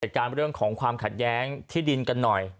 การเรื่องของความขัดแย้งที่ดินกันหน่อย